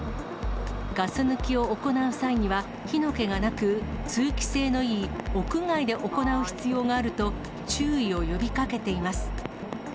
ガス抜きを行う際には火の気がなく、通気性のいい屋外で行う必要があると注意を呼びかけています。